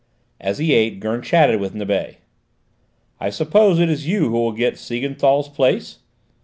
As he ate Gurn chatted with Nibet. "I suppose it is you who will get Siegenthal's place?"